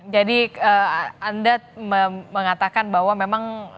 jadi anda mengatakan bahwa memang